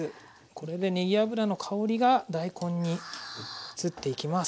これでねぎ油の香りが大根に移っていきます。